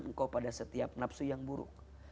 engkau pada setiap nafsu yang buruk